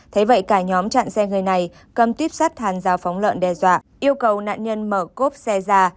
thế vậy cả nhóm chặn xe người này cầm tiếp sắt hàn dao phóng lợn đe dọa yêu cầu nạn nhân mở cốp xe ra